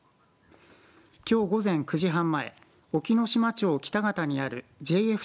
きょう午前９時半前隠岐の島町北方にあるＪＦ